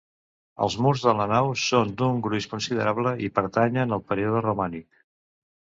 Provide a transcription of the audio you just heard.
Els murs de la nau són d'un gruix considerable i pertanyen al període romànic.